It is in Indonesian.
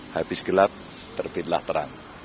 habis gelap terbitlah terang